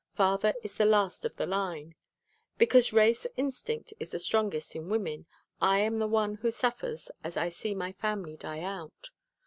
Father is the last of the line. Because race instinct is the strongest in women, I am the one who suffers as I see my family die out.